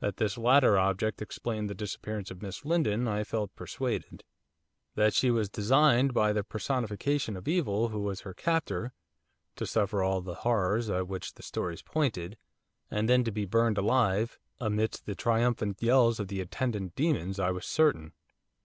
That this latter object explained the disappearance of Miss Lindon I felt persuaded. That she was designed by the personification of evil who was her captor, to suffer all the horrors at which the stories pointed, and then to be burned alive, amidst the triumphant yells of the attendant demons, I was certain.